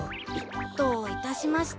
どういたしまして。